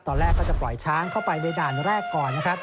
ตอนแรกก็จะปล่อยช้างเข้าไปในด่านแรกก่อนนะครับ